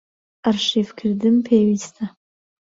ئەرشیڤکردن پێویستە.